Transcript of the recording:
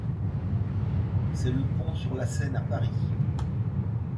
C'est le pont sur la Seine à Paris.